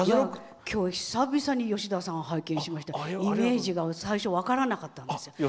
今日、久々に吉田さんを拝見しましたがイメージ最初分からなかったです。